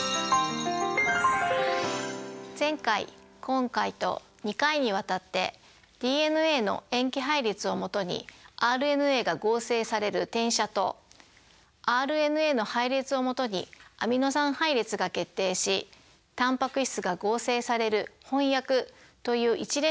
前回今回と２回にわたってＤＮＡの塩基配列をもとにＲＮＡが合成される転写とＲＮＡの配列をもとにアミノ酸配列が決定しタンパク質が合成される翻訳という一連の流れ